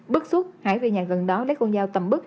bước xuất hải về nhà gần đó lấy con dao tầm bức